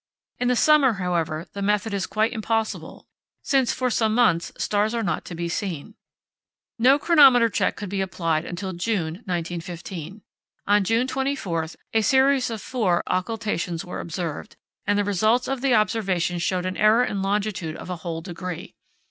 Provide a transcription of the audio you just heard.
In the summer, however, the method is quite impossible, since, for some months, stars are not to be seen. No chronometer check could be applied until June 1915. On June 24 a series of four occultations were observed; and the results of the observations showed an error in longitude of a whole degree.